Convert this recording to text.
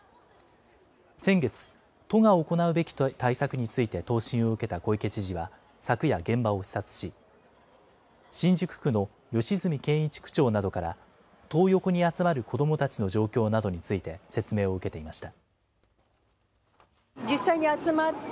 先月、都が行うべき対策について答申を受けた小池都知事は昨夜、現場を視察し、新宿区の吉住健一区長などから、トー横に集まる子どもたちの状況などについて説明を受けていました。